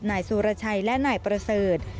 นายสุรชัยและนายประเสริฐ